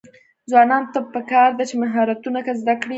ځوانانو ته پکار ده چې، مهارتونه زده کړي.